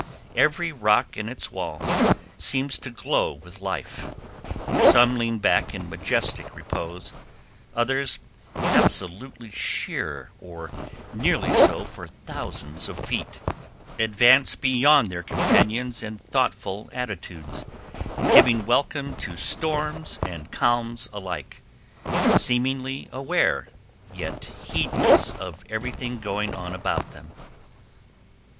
Every rock in its walls seems to glow with life. Some lean back in majestic repose; others, absolutely sheer or nearly so for thousands of feet, advance beyond their companions in thoughtful attitudes, giving welcome to storms and calms alike, seemingly aware, yet heedless, of everything going on about them.